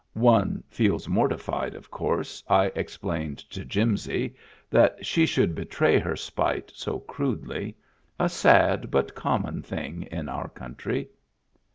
" One feels mortified, of course," I explained to Jimsy, "that she should betray her spite so crudely — a sad but common thing in our country."